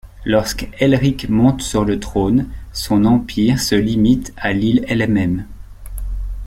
Lorsque Elric monte sur le trône, son empire se limite à l'île elle-même.